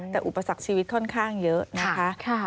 แต่อุปสรรคชีวิตค่อนข้างเยอะนะคะ